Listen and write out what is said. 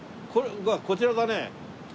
こちらだね。